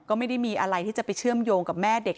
ก็ไม่ได้มีอะไรที่จะไปเชื่อมโยงกับแม่เด็ก